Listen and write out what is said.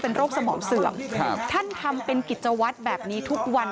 โรคสมองเสื่อมครับท่านทำเป็นกิจวัตรแบบนี้ทุกวัน